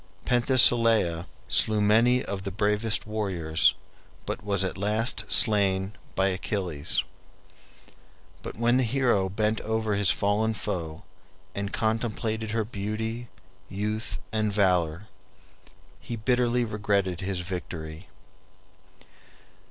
Penthesilea slew many of the bravest warriors, but was at last slain by Achilles. But when the hero bent over his fallen foe, and contemplated her beauty, youth, and valor, he bitterly regretted his victory.